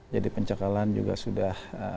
jadi pencekalan juga sudah